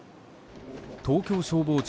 東京消防庁